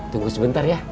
tunggu sebentar ya